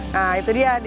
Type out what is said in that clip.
nah itu dia